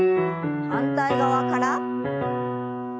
反対側から。